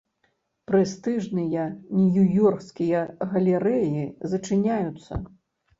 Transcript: Прэстыжныя нью-ёрскія галерэі зачыняюцца.